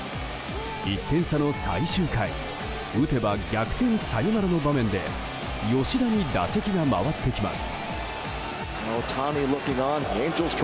１点差の最終回打てば逆転サヨナラの場面で吉田に打席が回ってきます。